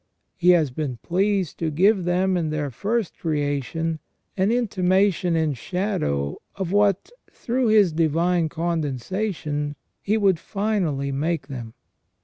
He has been pleased to give them in their first creation an intimation in shadow of what, through His divine condescension. He would finally make them.